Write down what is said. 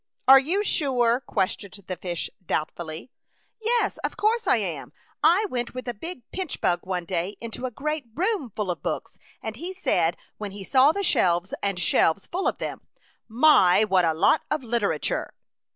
" Are you sure ?*' questioned the fish doubtfully. " Yes ; of course I am. I went with a big pinch bug one day into a great room full of books, and he said, when he saw the shelves and shelves full of them, * My ! what a lot of liter ature